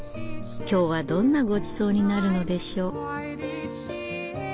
今日はどんなごちそうになるのでしょう。